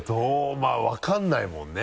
まぁ分からないもんね。